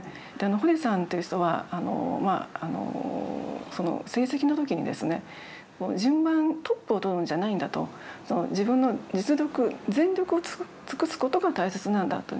堀さんという人はその成績の時にですねトップをとるんじゃないんだと自分の実力全力を尽くす事が大切なんだと言ってるんですね。